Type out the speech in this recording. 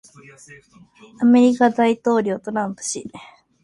米大統領トランプ氏